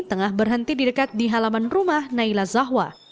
tengah berhenti di dekat di halaman rumah naila zahwa